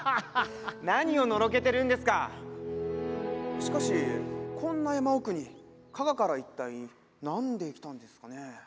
しかしこんな山奥に加賀から一体何で来たんですかね？